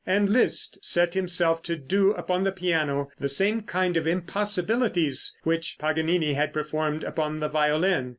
And Liszt set himself to do upon the piano the same kind of impossibilities which Paganini had performed upon the violin.